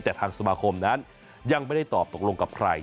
แต่ทางสมาคมนั้นยังไม่ได้ตอบตกลงกับใคร